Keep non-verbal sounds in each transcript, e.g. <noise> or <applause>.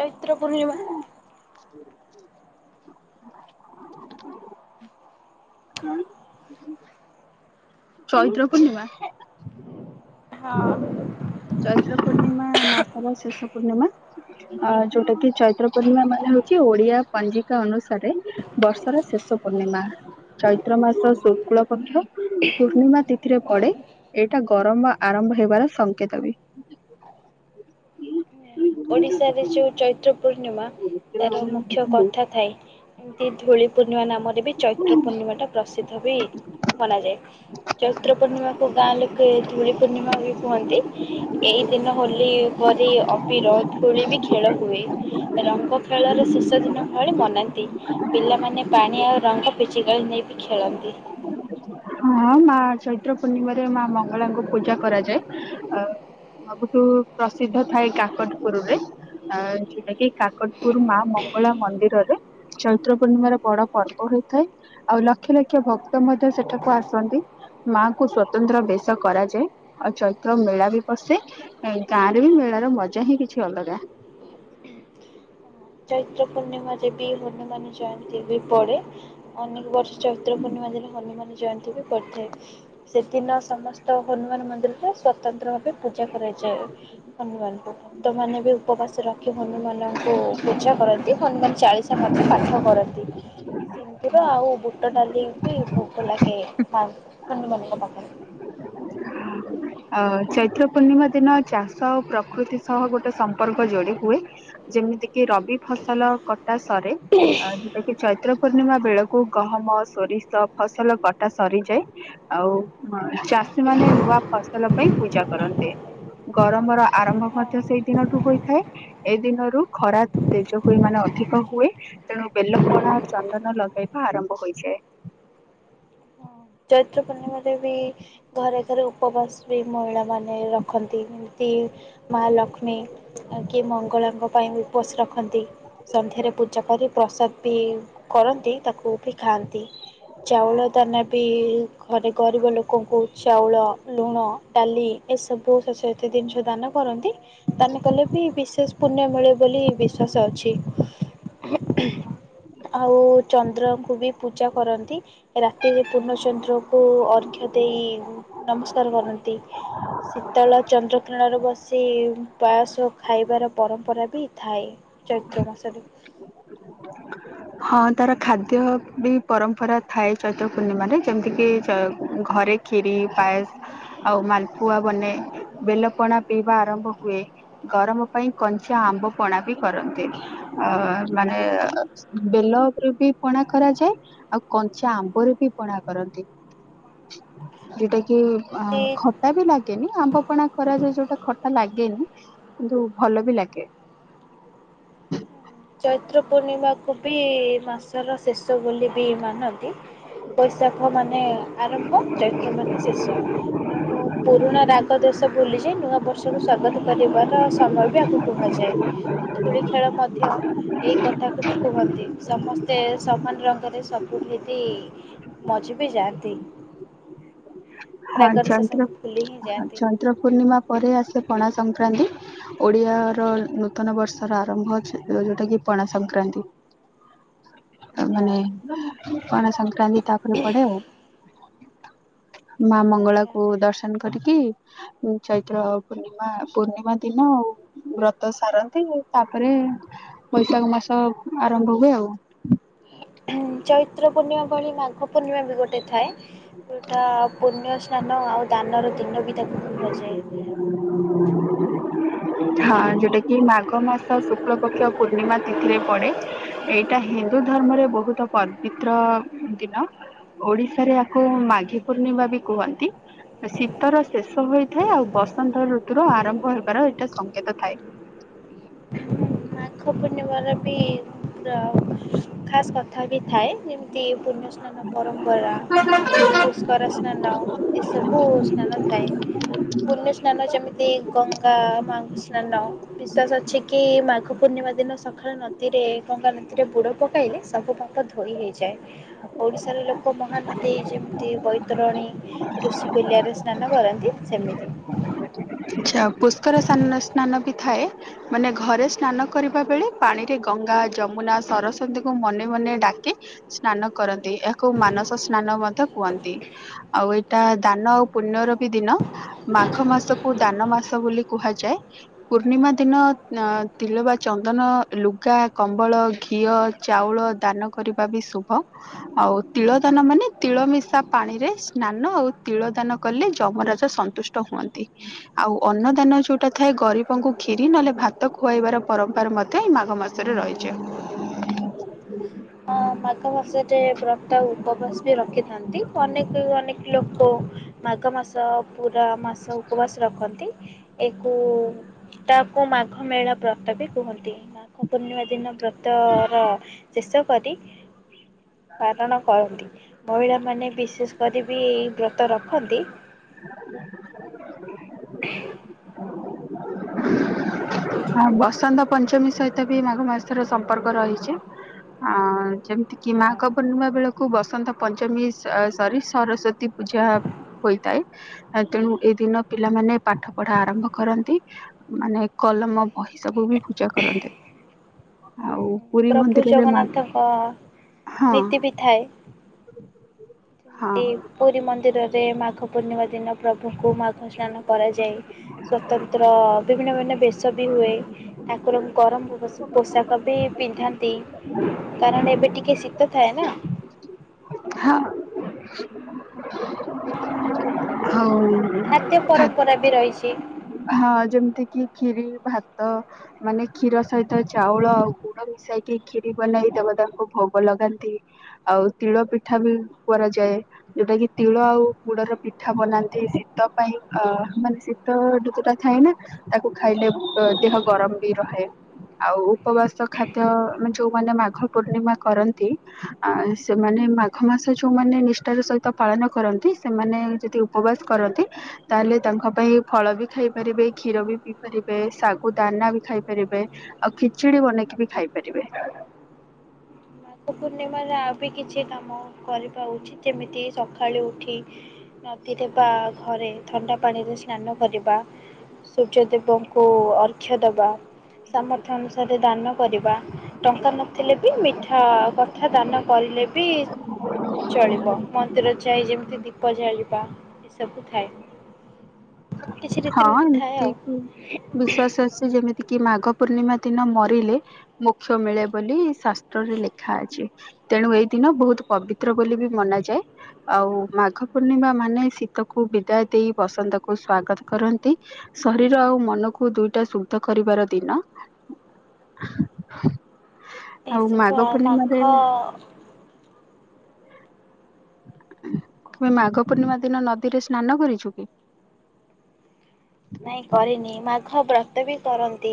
ଚୈତ୍ର ପୂର୍ଣ୍ଣିମା! ହଁ! ଚୈତ୍ର ପୂର୍ଣ୍ଣିମା! ହଁ! ଚୈତ୍ର ପୂର୍ଣ୍ଣିମା, ମାସର ଶେଷ ପୂର୍ଣ୍ଣିମା! ଅ ଯୋଉଟା କି ଚୈତ୍ର ପୂର୍ଣ୍ଣିମା ମାନେ ହଉଛି ଓଡିଆ ପଞ୍ଜିକା ଅନୁସାରେ ବର୍ଷର ଶେଷ ପୂର୍ଣ୍ଣିମା! ଚୈତ୍ର ମାସ ଶୁକ୍ଳ ପକ୍ଷ ପୂର୍ଣ୍ଣିମା ତିଥିରେ ପଡେ। ଏଇଟା ଗରମ ଆରମ୍ଭ ହେବାର ସଂଙ୍କେତ ବି। ଓଡିଶାରେ ଯୋଉ ଚୈତ୍ର ପୂର୍ଣ୍ଣିମା, ତାର ମୁଖ୍ୟ କଥା ଥାଏ? ଏମିତି ଧୂଳି ପୂର୍ଣ୍ଣିମା ନାମରେ ବି ଚୈତ୍ର ପୂର୍ଣ୍ଣିମାଟା ପ୍ରସିଦ୍ଧ ବି ମନାଯାଏ। ଚୈତ୍ର ପୂର୍ଣ୍ଣିମାକୁ ଗାଁ ଲୋକେ ଧୂଳି ପୂର୍ଣ୍ଣିମା ବି କୁହନ୍ତି। ଏଇ ଦିନ ହୋଲି ପରି ଅବିର ଧୂଳି ବି ଖେଳ ହୁଏ। ରଙ୍ଗ ଖେଳର ଶେଷ ଦିନ ଭଳି ମନାନ୍ତି। ପିଲାମାନେ ପାଣି ଆଉ ରଙ୍ଗ ପିଚିିକାଳି ନେଇକି ଖେଳନ୍ତି। ହଁ। ହଁ ମା ଚୈତ୍ର ପୂର୍ଣ୍ଣିମାରେ ମା ମଙ୍ଗଳାଙ୍କୁ ପୂଜା କରାଯାଏ। ଆ ସବୁଠୁ ପ୍ରସିଦ୍ଧ ଥାଏ କାକଟପୁରରେ। ଆ ଯୋଉଟା କିି କାକଟପୁର ମା ମଙ୍ଗଳା ମନ୍ଦିରରେ ଚୈତ୍ର ପୂର୍ଣ୍ଣିମାର ବଡ ପର୍ବ ହୋଇଥାଏ, ଆଉ ଲକ୍ଷ ଲକ୍ଷ ଭକ୍ତ ମଧ୍ୟ ସେଠାକୁ ଆସନ୍ତି। ମା ଙ୍କୁ ସ୍ଵତନ୍ତ୍ର ବେଶ କରାଯାଏ, ଆଉ ଚୈତ୍ର ମେଳା ବି ବସେ ଗାଁରେ ବି ମେଳାର ମଜା ହିଁ କିଛି ଅଲଗା। ଚୈତ୍ର ପୂର୍ଣ୍ଣିମାରେ ବି ହନୁମାନ ଜୟନ୍ତୀ ବି ପଡେ, ଅନେକ ବର୍ଷ ଚୈତ୍ର ପୂର୍ଣ୍ଣିମା ଦିନ ହନୁମାନ ଜୟନ୍ତିି ବି ପଡିଥାଏ। ସେଦିନ ସମସ୍ତ ହନୁମାନ ମନ୍ଦିରରେ ସ୍ୱତନ୍ତ୍ର ଭାବେ ପୂଜା କରାଯାଏ ହନୁମାନଙ୍କୁ ଭକ୍ତମାନେ ବି ଉପବାସ ରଖି ହନୁମାନଙ୍କୁ ପୂଜା କରନ୍ତି ହନୁ ମାନ ଚାଳିଶ ମଧ୍ୟ ପାଠ କରନ୍ତି। ର ଆଉ ବୁଟ ଡାଲି ବି ଭୋଗ ଲାଗେ <unintelligible> ପାଖରେ। ଅ ଚୈତ୍ର ପୂର୍ଣ୍ଣିମା ଦିନ ଚାଷ ଆଉ ପ୍ରକୃତି ସହ ଗୋଟେ ସମ୍ପର୍କ ଯୋଡି ହୁଏ। ଯେମିତି କିି ରବି ଫସଲ କଟା ସରେ ଯଉଟା କିି ଚୈତ୍ର ପୂର୍ଣ୍ଣିମା ବେଳକୁ ଗହମ ସୋରିଷ ଫସଲ କଟା ସରିଯାଏ। ଆଉ ଚାଷୀ ମାନେ ନୂଆ ଫସଲ ପାଇଁ ପୂଜା କରନ୍ତି। ଗରମର ଆରମ୍ଭ ମଧ୍ୟ ହଁ। ସେଇ ଦିନଠୁ ହୋଇଥାଏ। ଏଇ ଦିନରୁ ଖରା ତେଜ ହୁଏ ମାନେ ଅଧିକ ହୁଏ। ତେଣୁ ବେଲପଣା ଚନ୍ଦନ ଲଗେଇବା ଆରମ୍ଭ ହୋଇଯାଏ। ଚୈତ୍ର ପୁର୍ଣିମା ରେ ବି ଘରେ ଘରେ ଉପବାସ ବି ମହିଳାମାନେ ରଖନ୍ତି। ଏମିତି ମା ଲକ୍ଷ୍ମୀ ଆ କିଏ ମଙ୍ଗଳାଙ୍କ ପାଇଁ ଉପସ ରଖନ୍ତି। ସନ୍ଧ୍ୟାରେ ପୂଜା କରି ପ୍ରସାଦ ବି କରନ୍ତି ତାକୁ ବି ଖାଆନ୍ତି। ଚାଉଳ <unintelligible> ବି ଘରେ ଗରିବ ଲୋକଙ୍କୁ ଚାଉଳ ଲୁଣ ଡାଲି ଏସବୁ ଶସ୍ୟ କେତେ ଜିନିଷ ଦାନା କରନ୍ତି ଦାନ କଲେ ବି ବିଶେଷ ପୁଣ୍ୟ ମିଳେ ବୋଲି ବିଶ୍ଵାସ ଅଛି। ଆଉ ଚନ୍ଦ୍ରଙ୍କୁ ବି ପୂଜା କରନ୍ତି। ରାତିରେ ପୂର୍ଣ୍ଣଚନ୍ଦ୍ରକୁ ଅର୍କ୍ଷ ଦେଇ ନମସ୍କାର କରନ୍ତି। ଶୀତଳ ଚନ୍ଦ୍ରକିରଣରେ ବସି ପାାୟସ ଖାଇବାର ପରମ୍ପରା ବି ଥାଏ। ଚୈତ୍ର ମାସରେ। ହଁ ତାର ଖାଦ୍ୟ ବି ପରମ୍ପରା ଥାଏ ଚୈତ୍ର ପୂର୍ଣ୍ଣିମାରେ। ଯେମିତି କି ଘରେ ଖିରି ପାଏସ ଆଉ ମାଲପୁଆ ବନେ ବେଲ ପଣା ପିଇବା ଆରମ୍ଭ ହୁଏ। ଗରମ ପାଇଁ କଞ୍ଚା ଆମ୍ବ ପଣା ବି କରନ୍ତି ଅ ମାନେ ବେଲରେ ଉପରେ ବି ପଣା କରାଯାଏ ଆଉ କଞ୍ଚା ଆମ୍ବରେ ବି ପଣା କରନ୍ତି। ଯୋଉଟା କି ଅ ଖ ଯଦି ଖଟା ବି ଲାଗେନି ଆମ୍ବପଣା କରାଯାଏ ଯୋଉଟା ଖଟା ଲାଗେନି କିନ୍ତୁ ଭଲ ବି ଲାଗେ। ଚୈତ୍ର ପୂର୍ଣ୍ଣିମାକୁ ବି ମାସର ଶେଷ ବୋଲି ବି ମାନନ୍ତି। ବୈଶାଖ ମାନେ ଆରମ୍ଭ ଚୈତ୍ର ମାନେ ସେଷ। ତେଣୁ ପୁରୁଣା ରାଗ ଦୋଷ ଭୁଲିଯାଇ ନୂଆ ବର୍ଷକୁ ସ୍ବାଗତ କରିବାର ସମୟ ବି ଆକୁ କୁହାଯାଏ। <unintelligible> ଖେଳ ମଧ୍ୟ ଏଇ କଥାକୁ ବି କୁହନ୍ତି ସମସ୍ତେ ସମାନ ରଙ୍ଗରେ ସବୁ ହେତି ମଜି ବି ଯାଆନ୍ତି। ହଁ ରାଗ ରୁଷା ସବୁ ଚନ୍ଦ୍ର ଭୁଲି ହିଁ ହ ଚ ଯାଆନ୍ତି। ଚୁତ୍ର ପୂର୍ଣ୍ଣିମା ପରେ ଆସେ ପଣା ସଂକ୍ରାନ୍ତି। ଓଡିଆ ର ନୂତନ ବର୍ଷର ଆରମ୍ଭ ଅଛି ଯୋଉଟା କି ପଣା ସଂକ୍ରାନ୍ତି। ହଁ ମାନେ କଣ ସଂକ୍ରାନ୍ତି ତାପରେ ପଡେ ଆଉ। ମା ଆଚ୍ଛା। ମଙ୍ଗଳାକୁ ଦର୍ଶନ କରିକି ଚୈତ୍ର ପୂର୍ଣ୍ଣିମା, ପୂର୍ଣ୍ଣିମା ଦିନ ଆଉ। ବ୍ରତ ସାରନ୍ତି ଆଉ, ତାପରେ ବୈଶାଖ ମାସ ଆରମ୍ଭ ହୁଏ ଆଉ। ଚୈତ୍ର ପୂର୍ଣ୍ଣିମା ଭଳି ମାଘ ପୂର୍ଣ୍ଣିମା ବି ଗୋ ଟେ ଥାଏ, ଯୋଉଟା ପୁଣ୍ୟ ସ୍ନାନ ଆଉ ଦାନର ଦିନ ବି ତାକୁ କୁହାଯାଏ। ହଁ ଯୋଉଟା କି ମାଘ ମାସ ଶୁକ୍ଳପକ୍ଷ ପୂର୍ଣ୍ଣିମା ତିଥିରେ ପଡେ, ଏଇଟା ହିନ୍ଦୁ ଧର୍ମରେ ବହୁତ ପବିତ୍ର ଦିନ। ଓଡିଶାରେ ଆକୁ ମାଘି ପୂର୍ଣିମା ବି କୁହନ୍ତି। ଶୀତର ଶେଷ ହୋଇଥାଏ, ଆଉ ବସନ୍ତ ଋତୁର ଆରମ୍ଭ ହେବାର ଏଇଟା ସଂଙ୍କେତ ଥାଏ। ପୂର୍ଣ୍ଣିମାର ବି <unintelligible> ଖାସ୍ କଥା ବି ଥାଏ, ଯେମ ପୁଣ୍ୟ ସ୍ନାନ ପରମ୍ପରା, ପୁଷ୍କରା ସ୍ନାନ ଏସବୁ ସ୍ନାନ ଥାଏ। ପୁଣ୍ୟ ସ୍ନାନ ଯେମିତି, ଗଙ୍ଗା ମାଙ୍କ ସ୍ନାନ ବିଶ୍ଵାସ ଅଛି କି, ମାଘ ପୂର୍ଣ୍ଣିମା ଦିନ ସକାଳେ ନଦୀରେ ଗଙ୍ଗା ନଦୀରେ ବୁଡ଼ ପକାଇଲେ, ସବୁ ପାପ ଧୋଇ ହୋଇଯାଏ। ଓଡ଼ିଶାରେ ଲୋକ ମହାନଦୀ, ଯେମିତି ବୈତରଣୀ ଋଷିକୁଲ୍ୟାରେ ସ୍ନାନ କରନ୍ତି ସେମିତି। ଆଚ୍ଛା ପୁଷ୍କରା ସ୍ନା ସ୍ନାନ ବି ଥାଏ? ମାନେ ଘରେ ସ୍ନାନ କରିବା ବେଳେ ପାଣିରେ ଗଙ୍ଗା, ଯମୁନା, ସରସ୍ୱତୀଙ୍କୁ ମନେ ମନେ ଡାକେ। ସ୍ନାନ କରନ୍ତି, ଏହାକୁ ମାନସ ସ୍ନାନ ମଧ୍ୟ କୁହନ୍ତି। ଆଉ ଏଇଟା ଦାନ ଆଉ ପୁଣ୍ୟର ବି ଦିନ। ମାଘ ମାସ କୁ ଦାନ ମାସ ବୋଲି କୁହାଯାଏ। ପୂର୍ଣ୍ଣିମା ଦିନ ତିଲ ବା ଚନ୍ଦନ, ଲୁଗା, କମ୍ବଳ, ଘିଅ ଚାଉଳ ଦାନ କରିବା ବି ଶୁଭ। ଆଉ ତିଳ ଦାନ ମାନେ ତିଳ ମିଶା ପାଣିରେ ସ୍ନାନ, ଆଉ ତିଳ ଦାନ କଲେ ଯମରାଜ ସ ସନ୍ତୁଷ୍ଟ ହୁଅନ୍ତି। ଆଉ ଅନ୍ନଦାନ ଯୋଉଟା ଥାଏ ଗରିବଙ୍କୁ କ୍ଷୀରି ନହେଲେ ଭାତ ଖୁଆଇବାର ପରମ୍ପର ମଧ୍ୟ ଏଇ ମାଘ ମାସ ସରେ ରହିଛି। ହଁ ମାଘ ମାସରେ ବ୍ରତ ଉପବାସ ବି ରଖିଥାନ୍ତି ଅନେକ ଅନେକ ଲୋକ ମାଘ ମାସ ପୁରା ମାସ ଉପବାସ ରଖନ୍ତି। ଏକୁ ତାକୁ ମାଘ ମେଳା ବ୍ରତ ବି କୁହନ୍ତି, ମାଘ ପୂର୍ଣ୍ଣିମା ଦିନ ବ୍ର ତ ର ଶେଷ କରି ପାରଣ କରନ୍ତି, ମହିଳାମାନେ ବିଶେଷ କରି ବି ଏଇ ବ୍ରତ ରଖନ୍ତି। <unintelligible> ଆ ବସନ୍ତ ପଞ୍ଚମୀ ସହିତ ବି ମାଘ ମାସର ସମ୍ପର୍କ ରହିଛି। ଅ ଯେମିତି କିି ମାଘ ପୂର୍ଣ୍ଣିମା ବେଳକୁ ବସନ୍ତ ପଞ୍ଚମୀ ସରି ସରସ୍ଵତୀ ପୂଜା ହୋଇଥାଏ, ତେଣୁ ଏଇ ଦିନ ପିଲାମାନେ ପାଠ ପଢା ଆରମ୍ଭ କରନ୍ତି। ମାନେ କଲମ ବହି ସବୁ ବି ପୂଜା କରନ୍ତେ, ଆଉ ପୁରୀ ପ୍ରଭୁ ମନ୍ଦିରରେ ମା ଜଗନ୍ନାଥଙ୍କ ହଁ ନୀତି ବି ଥାଏ। ହଁ ଏମତି ପୁରୀ ମନ୍ଦିରରେ ମାଘ ପୂର୍ଣ୍ଣିମା ଦିନ ପ୍ରଭୁଙ୍କୁ ମାଘ ସ୍ନାନ କରାଯାଏ, ସ୍ଵତନ୍ତ୍ର ବିଭିନ୍ନ ବିଭିନ୍ନ ବେଶ ବି ହୁଏ। ଠାକୁରଙ୍କୁ ଗରମ ପୋଷାକ ବି ପିନ୍ଧାନ୍ତି କାରଣ ଏବେ ଟିକେ ଶୀତ ଥାଏ ନା। ହଁ, ହଉ। ଖାଦ୍ୟ ପରମ୍ପରା ବି ରହିଛି। ହଁ, ଯେମିତି କିି ଖିରି, ଭାତ। ମାନେ କ୍ଷୀର ସହିତ ଚାଉଳ ଆଉ ଗୁଡ ମିଶାଇକି କ୍ଷିରି ବନେଇ ଦେବତାଙ୍କୁ ଭୋଗ ଲଗାନ୍ତି। ଆଉ ତିଳ ପିଠା ବି କରାଯାଏ। ଯୋଉଟା କିି ତିଳ ଆଉ ଗୁଡର ପିଠା ବନାନ୍ତି ଶୀତ ପାଇଁ ଅ ମାନେ ଶୀତ ଥାଏ ନା ତାକୁ ଖାଇଲେ ଦେହ ଗରମ ବି ରହେ। ଆଉ ଉପବାସ ଖାଦ୍ୟ ଯୋଉମାନେ ମାଘ ପୂର୍ଣ୍ଣିମା କରନ୍ତି। ଆ ସେମାନେ ମାଘ ମାସ ଯୋଉମାନେ ନିଷ୍ଠାର ସହିତ ପାଳନ କରନ୍ତି, ସେମାନେ ଯଦି ଉ ଉପବାସ କରନ୍ତି ତାହେଲେ ତାଙ୍କ ପାଇଁ ଫଳ ବି ଖାଇ ପାରିବେ କ୍ଷୀର ବି ପିଇ ପାରିବେ ଶାଗୁ ଦାନା ବି ଖାଇ ପାରିବେ। ଆଉ ଖିଚିଡୀ ବନେଇକି ବି ଖାଇ ପାରିବେ। ମାଘ ପୂର୍ଣ୍ଣିମାରେ ଆଉ ବି କିଛି କାମ କରିବା ଉଚିତ, ଯେମିତି ସକାଳୁ ଉଠି ନଦୀରେ ବା ଘରେ ଥଣ୍ଡା ପାଣିରେ ସ୍ନାନ କରିବା। ସୂର୍ଯ୍ୟଦେବଙ୍କୁ ଅର୍ଘ୍ୟ ଦେବା। ସାମର୍ଥ୍ୟ ଅନୁସାରେ ଦାନ କରିବା, ଟଙ୍କା ନଥିଲେ ବି ମିଠା ମିଠା ଦାନ କରିଲେ ବି ଚଳିବ, ମନ୍ଦିର ଯାଇ ଯେମତି ଦୀ ପ ଜାଳିବା ଏସବୁ ଥାଏ। କିଛି ହଁ ରୀତିନୀତି ଥାଏ ଏମିତି ଆଉ କି ବିଶ୍ୱାସ ଅଛି, ଯେମି କି ମାଘ ପୂର୍ଣ୍ଣିମା ଦିନ ମରିଲେ ମୋକ୍ଷ ମିଳେ ବୋଲି ଶାସ୍ତ୍ରରେ ଲେଖା ଅଛି। ତେଣୁ ଏଇ ଦିନ ବହୁତୁ ପବିତ୍ର ବୋଲି ବି ମନାଯାଏ। ଆଉ ମାଘ ପୂର୍ଣ୍ଣିମା ମାନେ ଶୀତକୁ ବିଦାୟ ଦେଇ ବସନ୍ତ କୁ ସ୍ଵାଗ କରନ୍ତି, ଶରୀର ଆଉ ମନକୁ ଦୁଇଟା ଶୁଦ୍ଧ କରିବାର ଦିନ ଆଉ ମାଘ ପୂର୍ଣ୍ଣିମାରେ ଅ। ତମେ ମାଘ ପୂର୍ଣ୍ଣିମା ଦିନ ନଦୀରେ ସ୍ନାନ କରିଛୁ କି? ନାଇଁ କରିନି, ମାଘ ବ୍ରତ ବି କରନ୍ତି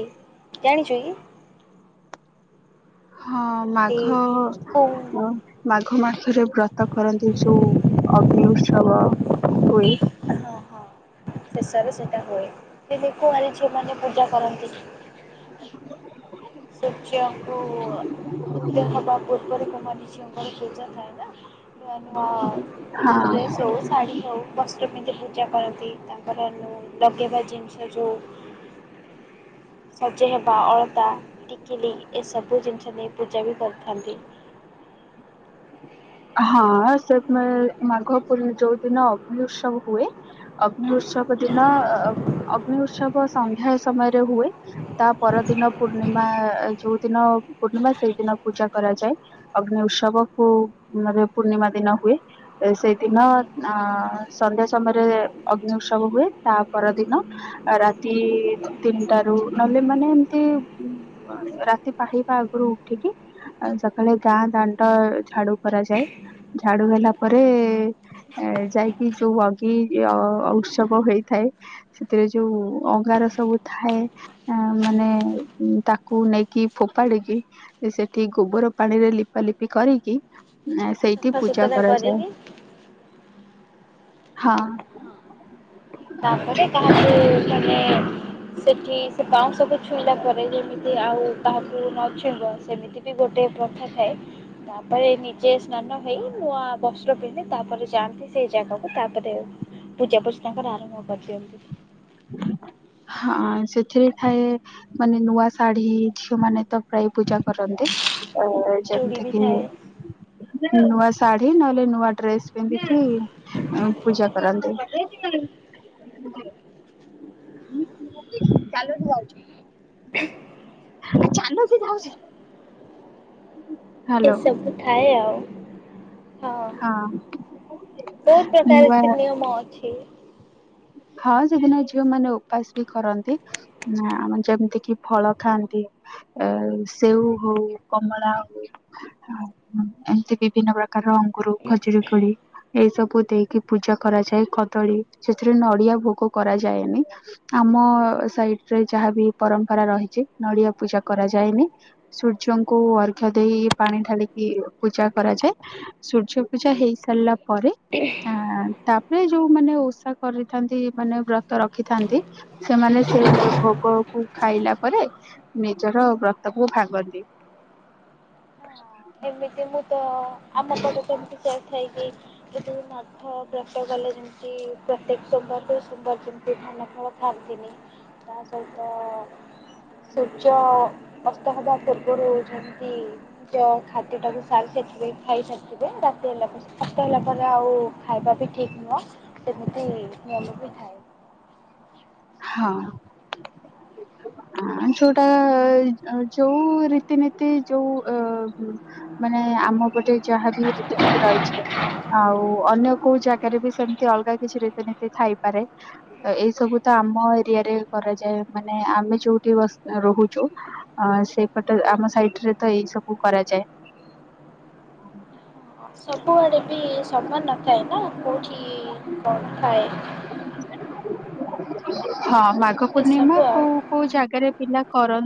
ଜାଣିଛୁ କି? ହଁ ଏମିତି ମାଘ କୋଉ ଅ ମାଘ ମାସରେ ବ୍ରତ କରନ୍ତି ଯୋଉ ଅଗ୍ନି ଉତ୍ସବ। <unintelligible> ହୁଏ ହଁ ହଁ ଶେଷରେ ସେଇଟା ହୁଏ। ସେ ଦେଖୁକୁଆଁରୀ ଝିଅ ମାନ ପୂଜା କରନ୍ତି। ସୂର୍ଯ୍ୟଙ୍କୁ ଉଦୟହେବା ପୂର୍ବରୁ କୁମାରୀ ଝିଅଙ୍କର ପୂଜା <unintelligible> ହଁ ନୂଆ ହଁ ଡ୍ରେସ ହଉ ଶାଢ଼ୀ ହଉ। ବସ୍ତ୍ର ପିନ୍ଧି ପୂଜା କରନ୍ତି। ତାଙ୍କର <unintelligible> ଲଗେଇବା ଜିନିଷ ଯଉ ସଜେଇ ହେବା ଅଳତା। ଟିକିଲି ଏ ସବୁ ଜିନିଷ ନେଇ ପୂଜା ବି କରିଥାନ୍ତି। ହଁ ସେଥ ପାଇଁ ମାଘ ପୂର ଯୋଉଦିନ ଅଗ୍ନି ଉତ୍ସବ ହୁଏ। ଅଗ୍ନି ଉତ୍ସବ ଦିନ ଅଗ୍ନି ଉତ୍ସବ ସନ୍ଧ୍ୟା ସମୟରେ ହୁଏ। ତା ପରଦିନ ପୂର୍ଣ୍ଣିମା ଯୋଉ ଦିନ ପୂର୍ଣ୍ଣିମା ସେଇଦିନ ପୂଜା କରାଯାଏ। ଅଗ୍ନି ଉତ୍ସବକୁୁ ମାନେ ପୂର୍ଣ୍ଣିମା ଦିନ ହୁଏ। ସେଇଦିନ ଅ ସନ୍ଧ୍ୟା ସମୟରେ ଅଗ୍ନି ଉତ୍ସବ ହୁଏ ତା ପରଦିନ ରାତି ତିନିଟା ରୁ ନହେଲେ ମାନେ ଏମତି ରାତି ପାହିବା ଆଗରୁ ଉଠିକି ସକାଳେ ଗାଁ ଦାଣ୍ଡ ଝାଡୁ କରାଯାଏ, ଝାଡୁ ହେଲା ପରେ ଏ ଯାଇକି ଯୋଉ ଅଗି ଅ ଉତ୍ସବ ହେଇଥାଏ। ସେଥିରେ ଯୋଉ ଅଙ୍ଗାର ସବୁ ଥାଏ। ଆ ମାନେ ତାକୁ ନେଇକି ଫୋପାଡିକି? ସେଠି ଗୋବର ପାଣିରେ ଲିପାଲିିପି କରିକି ସେଇଠି ପୂଜା ସଫାସୁତୁରା କରାଯ ଯାଏ। କରିକି ହଁ। ତାପରେ କାହାଠୁ ମାନେ <inaudible> ସେଠି ସେ ବାଉଁଶକୁ ଛୁଇଁଲା ପରେ ଯେମିତି ଆଉ କାହାକୁ ନ ଛୁଇଁବ ସେମିତି ଗୋଟେ ପ୍ରଥା ଥାଏ। ତାପରେ ନିଜେ ସ୍ନାନ ହେଇ ନୂଆ ବସ୍ତ୍ର ପିନ୍ଧି ତାପରେ ଯାଆନ୍ତି। ସେଇ ଜାଗାକୁ ତାପରେ ପୂଜା ପୂଜୀ ତାଙ୍କର ଆରମ୍ଭ କରିଦିଅନ୍ତି। ହଁ ସେଥିରେ ଥାଏ ମାନେ ନୂଆ ଶାଢୀ ଝିଅ ମାନେ ତ ପ୍ରାୟ ପୂଜା କରନ୍ତି। ଚୁଡ଼ି ଯେମିତି ବି କି ଥାଏ ନୂଆ ଶାଢୀ ନହେଲେ ନୂଆ ଡ୍ରେସ ପିନ୍ଧିକି ଉ ପୂଜା କରନ୍ତି। ଚାଲ ଯାଉଛ ଚାଲୁଛି ଯାଉଛି। ହ୍ୟାଲୋ ହଁ ଏସବୁ ଥାଏ ଆଉ। ହଁ ବହୁତ ନୂଆ ପ୍ରକାର ନିୟମ ଅଛି। ହଁ ସେଦିନ ଝିଅ ମାନେ ଉପାସ ବି କରନ୍ତି। ନା ଆମେ ଯେମିତି କିି ଫଳ ଖାଆନ୍ତି। ଆ ସେଉ ହଉ, କମଳା ହଉ ଏମତି ବିଭିନ୍ନ ପ୍ରକାର ଅଙ୍ଗୁର, ଖଜୁରୀ କୋଳି ଏଇ ସବୁ ଦେଇକି ପୂଜା କରାଯାଏ କଦଳୀ ସେଥିରେ ନଡିଆ ଭୋଗ କରାଯାଏନି। ଆମ ସାଇଡ ରେ ଯାହାବି ପରମ୍ପରା ରହିଛି ନଡିଆ ପୂଜା କରାଯାଏନି। ସୂର୍ଯ୍ୟଙ୍କୁ ଅର୍ଘ ଦେଇ ପାଣି ଢାଲିକି ପୂଜା କରାଯାଏ। ସୂର୍ଯ୍ୟ ପୂଜା ହେଇ ସାରିଲା ପରେ ଆ ତାପରେ ଯୋଉ ମାନେ ଓଷା କରିଥାନ୍ତି ମାନେ ବ୍ରତ ରଖିଥାନ୍ତି। ସେମାନେ ସେ ଭୋଗ କୁ ଖାଇଲା ପରେ ନିଜର ବ୍ରତକୁୁ ଭାଙ୍ଗନ୍ତି। ହଁ ଏମିତି ମୁଁ ତ ଆମ <unintelligible> ଯାଇ ଥାଏକି ମଠ ବ୍ରତ କଲେ ଯେମି ପ୍ରତ୍ୟେକ ସୋମବାରରୁ ସୋମବାର ଯେମିତି ଧାନ ଫଳ ଖାଆନ୍ତିନି। ତାସହିତ ସୂର୍ଯ୍ୟ ଅସ୍ତ ହେବା ପୂର୍ବରୁ ଯେମିତି ଯ ଖା ସେଟାକୁ ସାରି ସାରିଥିବେ ଖାଇସାରିଥିବେ ରାତି ହେଲା ସତ ହେଲା ପରେ ଆଉ ଖାଇବା ବି ଠିକ ନୁହଁ ସେମିତି ନିୟମ ବି ଥାଏ। ହଁ। ଅ ଯୋଉଟା ଯୋଉ ରୀତିନୀତି ଯୋଉ ଅ ମାନେ ଆମ ପଟେ ଯାହା ବି ରୀତିନୀତି ରହିଛି। ଆଉ ଅନ୍ୟ କୋଉ ଜାଗାରେ ବି ସେମିତି ଅଲଗା କିଛି ରୀତିନୀତି ଥାଇପାରେ। ଏଇ ସବୁ ତ ଆମ ଏରିଆରେ କରାଯାଏ ମାନେ ଆମେ ଯୋଉଠି ବସ୍ ରହୁଛୁ। ଅ ସେଇପଟେ ଆମ ସାଇଟ ରେ ତ ଏଇ ସବୁ କରାଯାଏ। ସବୁଆଡେ ବି ସମାନ ନଥାଏ ନା କୋଉଠି କଣ ଥାଏ। ହଁ ମାଘ ପୂର୍ଣ୍ଣିମା ଏସବୁ ଆଉ। କୋଉ କୋଉ ଜାଗାରେ ପିଲା କର